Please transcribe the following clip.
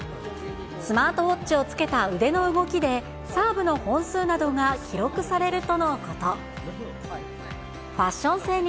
スマートウオッチをつけた腕の動きで、サーブの本数などが記録されるとのこと。